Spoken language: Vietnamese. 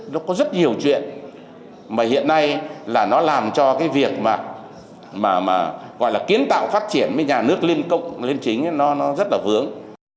nó có rất nhiều chuyện mà hiện nay là nó làm cho cái việc mà gọi là kiến tạo phát triển với nhà nước liên cộng liên chính nó rất là vướng